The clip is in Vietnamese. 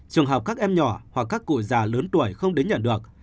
trường hợp các em nhỏ hoặc các cụ già lớn tuổi không đến nhận được